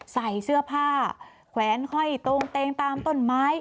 ใส่เสื้อผ้าแขวนห้อยตรงเตงตามต้นไม้